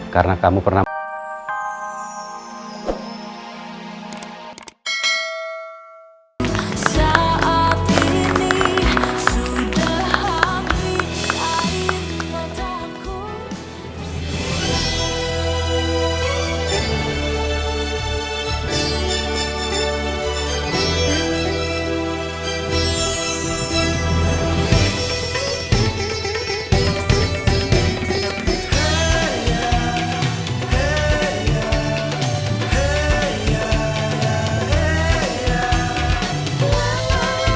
karena kamu pernah